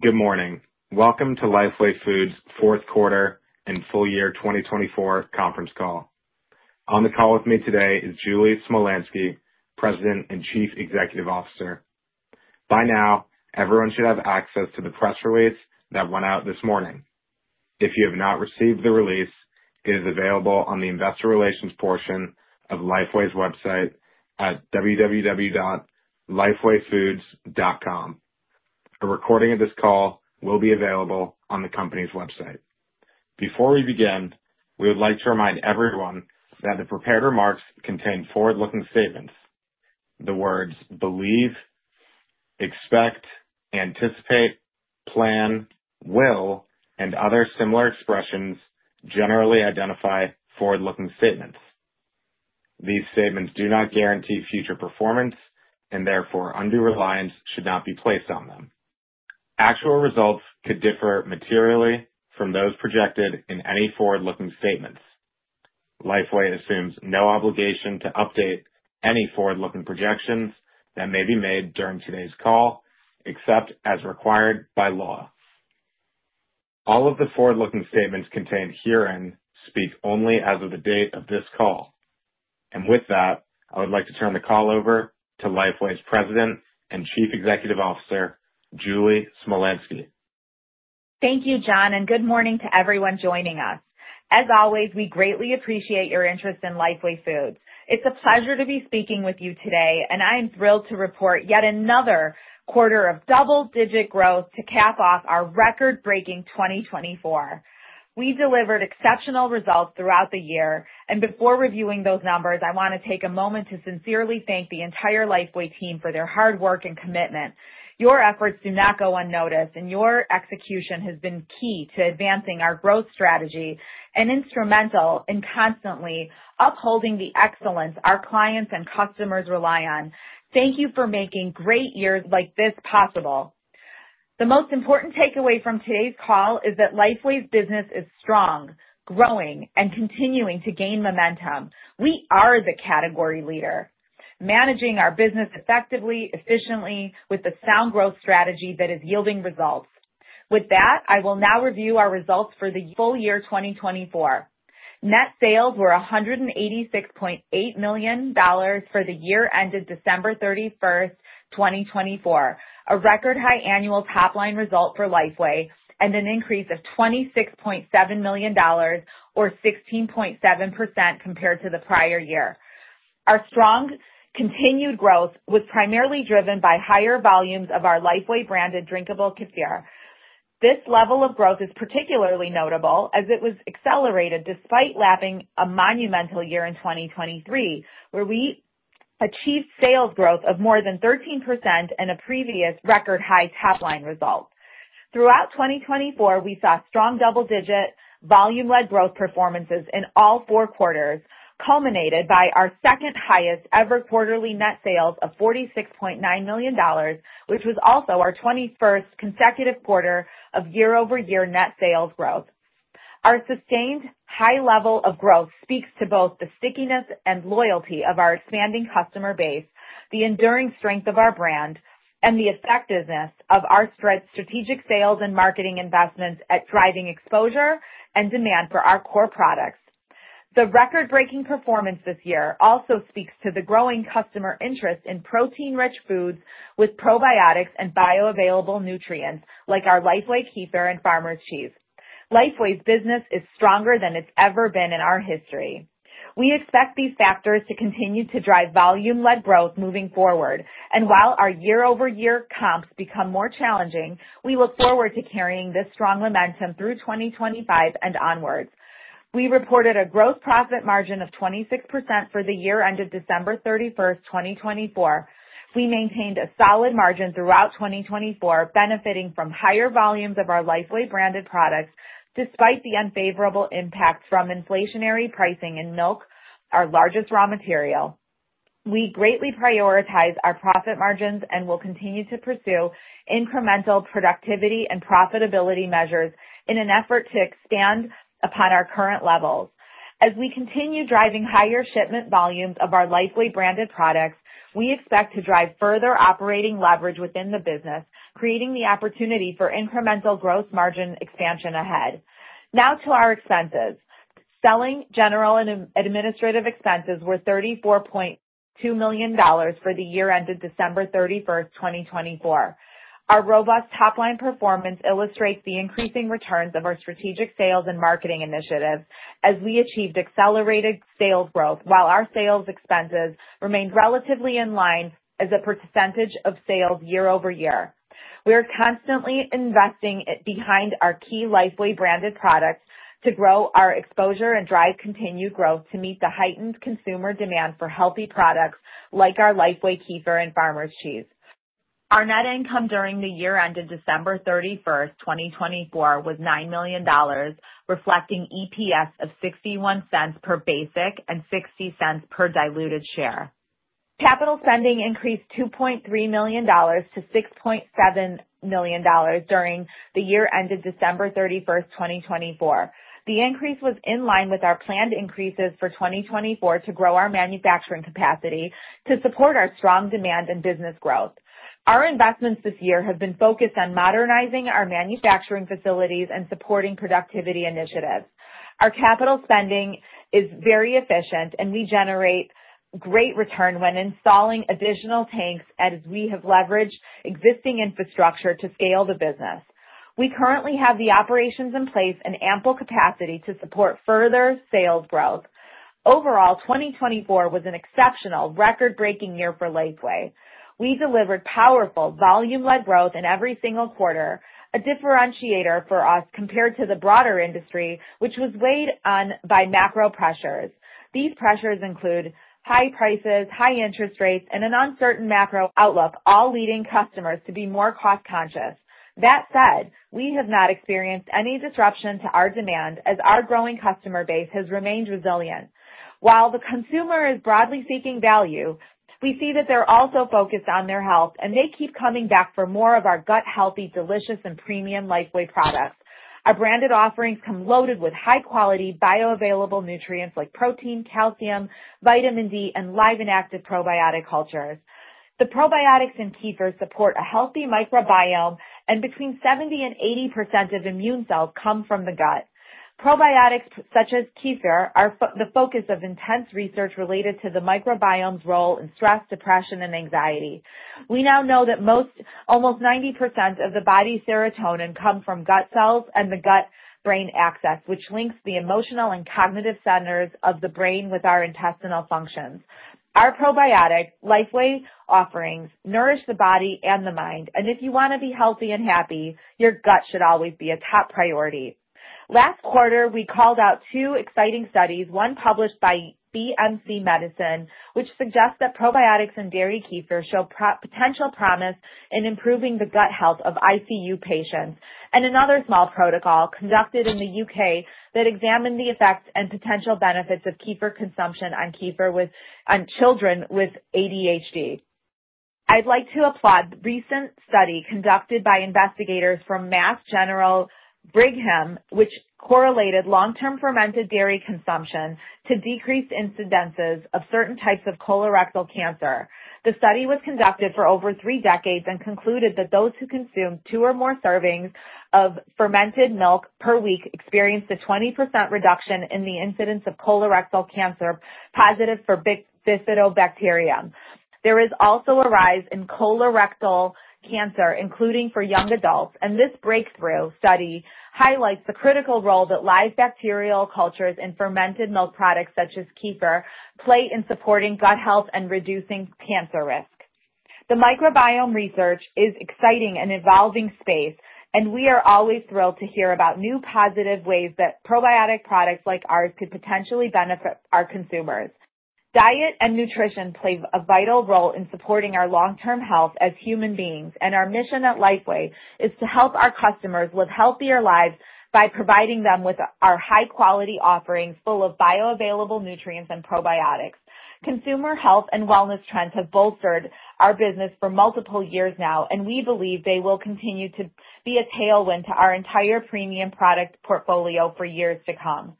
Good morning. Welcome to Lifeway Foods' Fourth Quarter and Full Year 2024 Conference Call. On the call with me today is Julie Smolyansky, President and Chief Executive Officer. By now, everyone should have access to the press release that went out this morning. If you have not received the release, it is available on the investor relations portion of Lifeway's website at www.lifewayfoods.com. A recording of this call will be available on the company's website. Before we begin, we would like to remind everyone that the prepared remarks contain forward-looking statements. The words "believe," "expect," "anticipate," "plan," "will," and other similar expressions generally identify forward-looking statements. These statements do not guarantee future performance, and therefore undue reliance should not be placed on them. Actual results could differ materially from those projected in any forward-looking statements. Lifeway assumes no obligation to update any forward-looking projections that may be made during today's call, except as required by law. All of the forward-looking statements contained herein speak only as of the date of this call. I would like to turn the call over to Lifeway's President and Chief Executive Officer, Julie Smolyansky. Thank you, John, and good morning to everyone joining us. As always, we greatly appreciate your interest in Lifeway Foods. It's a pleasure to be speaking with you today, and I am thrilled to report yet another quarter of double-digit growth to cap off our record-breaking 2024. We delivered exceptional results throughout the year, and before reviewing those numbers, I want to take a moment to sincerely thank the entire Lifeway team for their hard work and commitment. Your efforts do not go unnoticed, and your execution has been key to advancing our growth strategy and instrumental in constantly upholding the excellence our clients and customers rely on. Thank you for making great years like this possible. The most important takeaway from today's call is that Lifeway's business is strong, growing, and continuing to gain momentum. We are the category leader, managing our business effectively, efficiently, with a sound growth strategy that is yielding results. With that, I will now review our results for the full year 2024. Net sales were $186.8 million for the year ended December 31st, 2024, a record-high annual top-line result for Lifeway, and an increase of $26.7 million, or 16.7%, compared to the prior year. Our strong, continued growth was primarily driven by higher volumes of our Lifeway-branded drinkable Kefir. This level of growth is particularly notable as it was accelerated despite lapping a monumental year in 2023, where we achieved sales growth of more than 13% and a previous record-high top-line result. Throughout 2024, we saw strong double-digit volume-led growth performances in all four quarters, culminated by our second-highest ever quarterly net sales of $46.9 million, which was also our 21st consecutive quarter of year-over-year net sales growth. Our sustained high level of growth speaks to both the stickiness and loyalty of our expanding customer base, the enduring strength of our brand, and the effectiveness of our strategic sales and marketing investments at driving exposure and demand for our core products. The record-breaking performance this year also speaks to the growing customer interest in protein-rich foods with probiotics and bioavailable nutrients like our Lifeway Kefir and Farmer Cheese. Lifeway's business is stronger than it's ever been in our history. We expect these factors to continue to drive volume-led growth moving forward, and while our year-over-year comps become more challenging, we look forward to carrying this strong momentum through 2025 and onwards. We reported a gross profit margin of 26% for the year ended December 31st, 2024. We maintained a solid margin throughout 2024, benefiting from higher volumes of our Lifeway-branded products despite the unfavorable impacts from inflationary pricing in milk, our largest raw material. We greatly prioritize our profit margins and will continue to pursue incremental productivity and profitability measures in an effort to expand upon our current levels. As we continue driving higher shipment volumes of our Lifeway-branded products, we expect to drive further operating leverage within the business, creating the opportunity for incremental gross margin expansion ahead. Now to our expenses. Selling, general, and administrative expenses were $34.2 million for the year ended December 31st, 2024. Our robust top-line performance illustrates the increasing returns of our strategic sales and marketing initiatives as we achieved accelerated sales growth, while our sales expenses remained relatively in line as a percentage of sales year-over-year. We are constantly investing behind our key Lifeway-branded products to grow our exposure and drive continued growth to meet the heightened consumer demand for healthy products like our Lifeway kefir and Farmer cheese. Our net income during the year ended December 31st, 2024, was $9 million, reflecting EPS of $0.61 per basic and $0.60 per diluted share. Capital spending increased $2.3 million to $6.7 million during the year ended December 31st, 2024. The increase was in line with our planned increases for 2024 to grow our manufacturing capacity to support our strong demand and business growth. Our investments this year have been focused on modernizing our manufacturing facilities and supporting productivity initiatives. Our capital spending is very efficient, and we generate great return when installing additional tanks as we have leveraged existing infrastructure to scale the business. We currently have the operations in place and ample capacity to support further sales growth. Overall, 2024 was an exceptional, record-breaking year for Lifeway. We delivered powerful volume-led growth in every single quarter, a differentiator for us compared to the broader industry, which was weighed on by macro pressures. These pressures include high prices, high interest rates, and an uncertain macro outlook, all leading customers to be more cost-conscious. That said, we have not experienced any disruption to our demand as our growing customer base has remained resilient. While the consumer is broadly seeking value, we see that they're also focused on their health, and they keep coming back for more of our gut-healthy, delicious, and premium Lifeway products. Our branded offerings come loaded with high-quality bioavailable nutrients like protein, calcium, vitamin D, and live and active probiotic cultures. The probiotics in kefir support a healthy microbiome, and between 70% and 80% of immune cells come from the gut. Probiotics such as kefir are the focus of intense research related to the microbiome's role in stress, depression, and anxiety. We now know that almost 90% of the body's serotonin comes from gut cells and the gut-brain axis, which links the emotional and cognitive centers of the brain with our intestinal functions. Our probiotic Lifeway offerings nourish the body and the mind, and if you want to be healthy and happy, your gut should always be a top priority. Last quarter, we called out two exciting studies, one published by BMC Medicine, which suggests that probiotics in dairy kefir show potential promise in improving the gut health of ICU patients, and another small protocol conducted in the U.K. that examined the effects and potential benefits of kefir consumption on children with ADHD. I'd like to applaud the recent study conducted by investigators from Mass General Brigham, which correlated long-term fermented dairy consumption to decreased incidences of certain types of colorectal cancer. The study was conducted for over three decades and concluded that those who consumed two or more servings of fermented milk per week experienced a 20% reduction in the incidence of colorectal cancer positive for Bifidobacterium. There is also a rise in colorectal cancer, including for young adults, and this breakthrough study highlights the critical role that live bacterial cultures in fermented milk products such as kefir play in supporting gut health and reducing cancer risk. The microbiome research is an exciting and evolving space, and we are always thrilled to hear about new positive ways that probiotic products like ours could potentially benefit our consumers. Diet and nutrition play a vital role in supporting our long-term health as human beings, and our mission at Lifeway Foods is to help our customers live healthier lives by providing them with our high-quality offerings full of bioavailable nutrients and probiotics. Consumer health and wellness trends have bolstered our business for multiple years now, and we believe they will continue to be a tailwind to our entire premium product portfolio for years to come.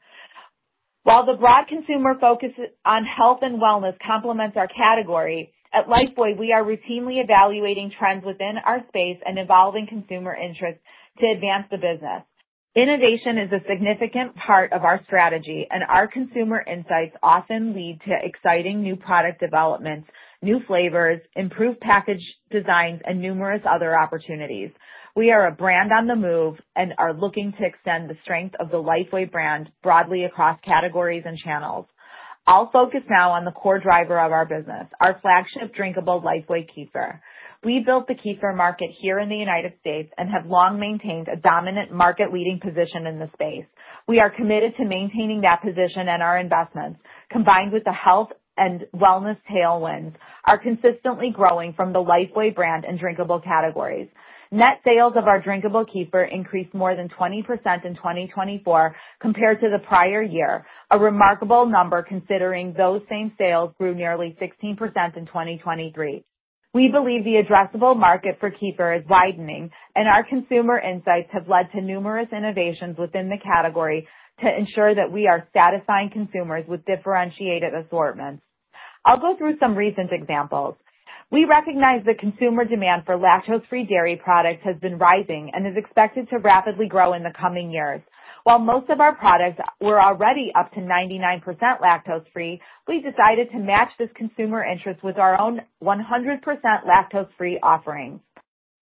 While the broad consumer focus on health and wellness complements our category, at Lifeway, we are routinely evaluating trends within our space and evolving consumer interests to advance the business. Innovation is a significant part of our strategy, and our consumer insights often lead to exciting new product developments, new flavors, improved package designs, and numerous other opportunities. We are a brand on the move and are looking to extend the strength of the Lifeway brand broadly across categories and channels. I'll focus now on the core driver of our business, our flagship drinkable Lifeway Kefir. We built the kefir market here in the United States and have long maintained a dominant market-leading position in the space. We are committed to maintaining that position and our investments, combined with the health and wellness tailwinds, are consistently growing from the Lifeway brand and drinkable categories. Net sales of our drinkable kefir increased more than 20% in 2024 compared to the prior year, a remarkable number considering those same sales grew nearly 16% in 2023. We believe the addressable market for kefir is widening, and our consumer insights have led to numerous innovations within the category to ensure that we are satisfying consumers with differentiated assortments. I'll go through some recent examples. We recognize that consumer demand for lactose-free dairy products has been rising and is expected to rapidly grow in the coming years. While most of our products were already up to 99% lactose-free, we decided to match this consumer interest with our own 100% lactose-free offerings.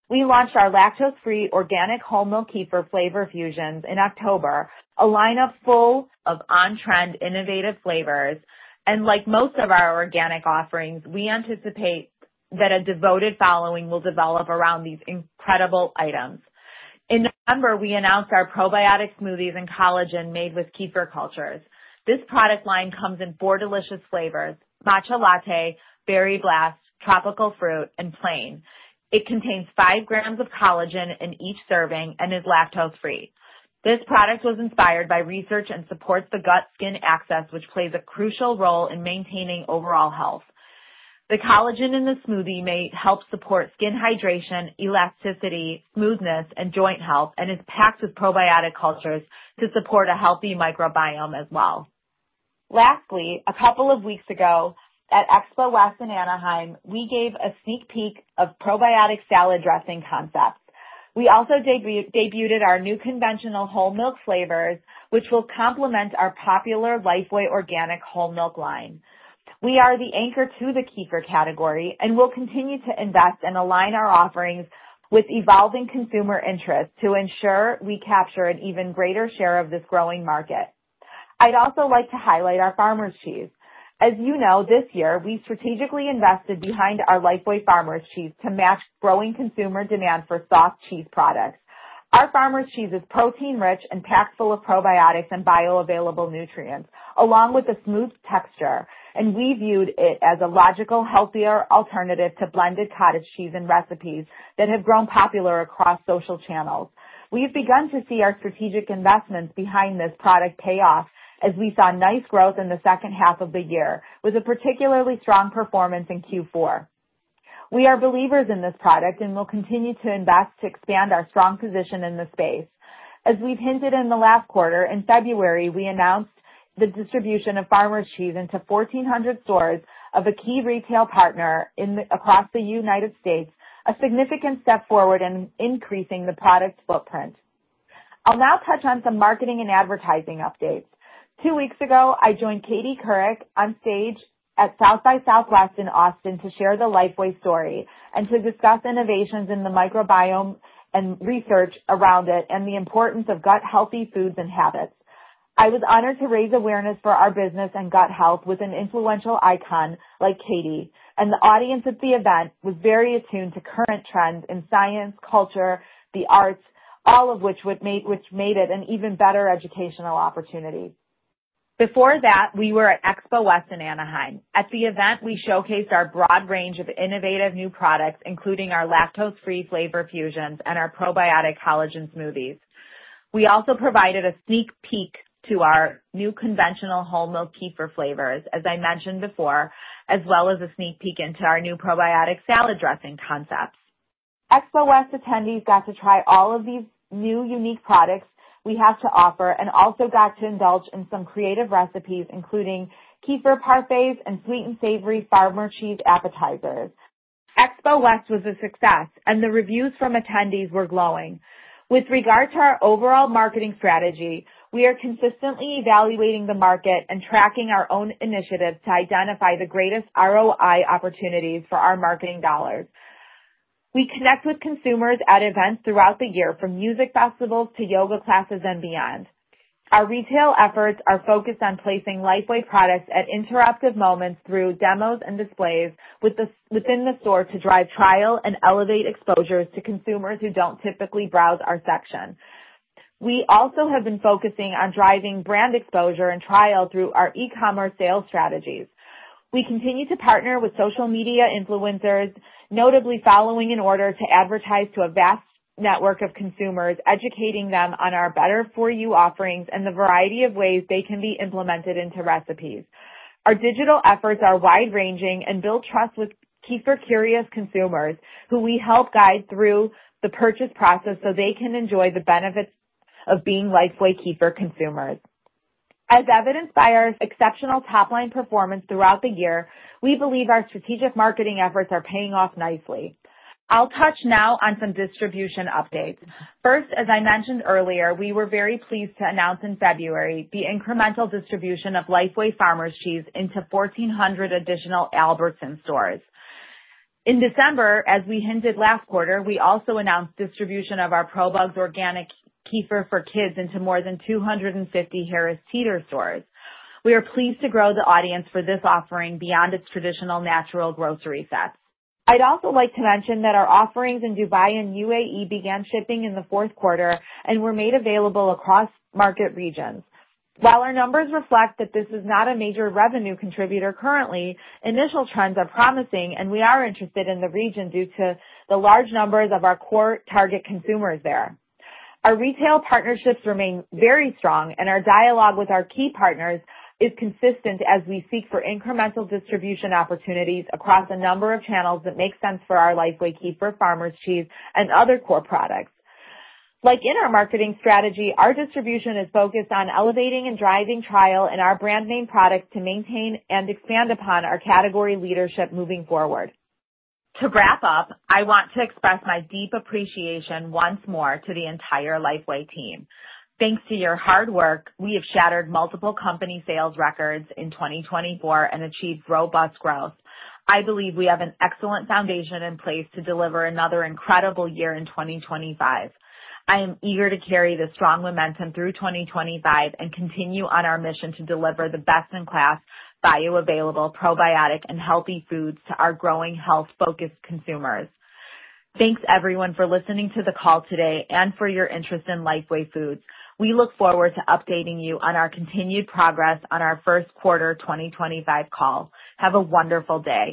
We launched our lactose-free organic whole milk kefir flavor fusions in October, a lineup full of on-trend innovative flavors. Like most of our organic offerings, we anticipate that a devoted following will develop around these incredible items. In November, we announced our probiotic smoothies and collagen made with kefir cultures. This product line comes in four delicious flavors: Matcha Latte, Berry Blast, Tropical Fruit, and Plain. It contains 5 grams of collagen in each serving and is lactose-free. This product was inspired by research and supports the gut-skin axis, which plays a crucial role in maintaining overall health. The collagen in the smoothie may help support skin hydration, elasticity, smoothness, and joint health, and is packed with probiotic cultures to support a healthy microbiome as well. Lastly, a couple of weeks ago at Expo West in Anaheim, we gave a sneak peek of probiotic salad dressing concepts. We also debuted our new conventional whole milk flavors, which will complement our popular Lifeway organic whole milk line. We are the anchor to the kefir category and will continue to invest and align our offerings with evolving consumer interests to ensure we capture an even greater share of this growing market. I'd also like to highlight our Farmer Cheese. As you know, this year, we strategically invested behind our Lifeway Farmer Cheese to match growing consumer demand for soft cheese products. Our Farmer Cheese is protein-rich and packed full of probiotics and bioavailable nutrients, along with a smooth texture, and we viewed it as a logical, healthier alternative to blended cottage cheese and recipes that have grown popular across social channels. We've begun to see our strategic investments behind this product pay off as we saw nice growth in the second half of the year, with a particularly strong performance in Q4. We are believers in this product and will continue to invest to expand our strong position in the space. As we've hinted in the last quarter, in February, we announced the distribution of Farmer Cheese into 1,400 stores of a key retail partner across the United States, a significant step forward in increasing the product's footprint. I'll now touch on some marketing and advertising updates. Two weeks ago, I joined Katie Couric on stage at South by Southwest in Austin to share the Lifeway story and to discuss innovations in the microbiome and research around it and the importance of gut-healthy foods and habits. I was honored to raise awareness for our business and gut health with an influential icon like Katie, and the audience at the event was very attuned to current trends in science, culture, the arts, all of which made it an even better educational opportunity. Before that, we were at Expo West in Anaheim. At the event, we showcased our broad range of innovative new products, including our lactose-free flavor fusions and our probiotic collagen smoothies. We also provided a sneak peek to our new conventional whole milk kefir flavors, as I mentioned before, as well as a sneak peek into our new probiotic salad dressing concepts. Expo West attendees got to try all of these new unique products we have to offer and also got to indulge in some creative recipes, including kefir parfaits and sweet and savory Farmer cheese appetizers. Expo West was a success, and the reviews from attendees were glowing. With regard to our overall marketing strategy, we are consistently evaluating the market and tracking our own initiatives to identify the greatest ROI opportunities for our marketing dollars. We connect with consumers at events throughout the year, from music festivals to yoga classes and beyond. Our retail efforts are focused on placing Lifeway products at interactive moments through demos and displays within the store to drive trial and elevate exposures to consumers who do not typically browse our section. We also have been focusing on driving brand exposure and trial through our e-commerce sales strategies. We continue to partner with social media influencers, notably following in order to advertise to a vast network of consumers, educating them on our better-for-you offerings and the variety of ways they can be implemented into recipes. Our digital efforts are wide-ranging and build trust with kefir-curious consumers, who we help guide through the purchase process so they can enjoy the benefits of being Lifeway Kefir consumers. As evidenced by our exceptional top-line performance throughout the year, we believe our strategic marketing efforts are paying off nicely. I'll touch now on some distribution updates. First, as I mentioned earlier, we were very pleased to announce in February the incremental distribution of Lifeway Farmer Cheese into 1,400 additional Albertsons stores. In December, as we hinted last quarter, we also announced distribution of our ProBugs Organic Kefir for kids into more than 250 Harris Teeter stores. We are pleased to grow the audience for this offering beyond its traditional natural grocery sets. I'd also like to mention that our offerings in Dubai and United Arab Emirates began shipping in the fourth quarter and were made available across market regions. While our numbers reflect that this is not a major revenue contributor currently, initial trends are promising, and we are interested in the region due to the large numbers of our core target consumers there. Our retail partnerships remain very strong, and our dialogue with our key partners is consistent as we seek for incremental distribution opportunities across a number of channels that make sense for our Lifeway Kefir, Farmer Cheese, and other core products. Like in our marketing strategy, our distribution is focused on elevating and driving trial in our brand name products to maintain and expand upon our category leadership moving forward. To wrap up, I want to express my deep appreciation once more to the entire Lifeway team. Thanks to your hard work, we have shattered multiple company sales records in 2024 and achieved robust growth. I believe we have an excellent foundation in place to deliver another incredible year in 2025. I am eager to carry this strong momentum through 2025 and continue on our mission to deliver the best-in-class bioavailable probiotic and healthy foods to our growing health-focused consumers. Thanks, everyone, for listening to the call today and for your interest in Lifeway Foods. We look forward to updating you on our continued progress on our first quarter 2025 call. Have a wonderful day.